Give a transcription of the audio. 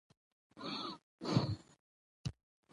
د لیکوال په شخصي لګښت خپور شوی دی.